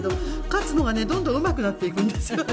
勝野がねどんどんうまくなっていくんですよ。